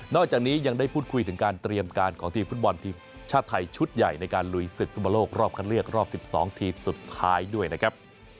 จากนี้ยังได้พูดคุยถึงการเตรียมการของทีมฟุตบอลทีมชาติไทยชุดใหญ่ในการลุยศึกฟุตบอลโลกรอบคันเลือกรอบ๑๒ทีมสุดท้ายด้วยนะครับ